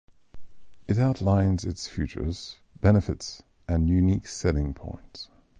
It outlines its features, benefits, and unique selling points.